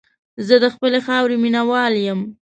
زه د خپلې خاورې مینه وال یم.